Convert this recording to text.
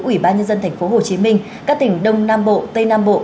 ủy ban nhân dân tp hcm các tỉnh đông nam bộ tây nam bộ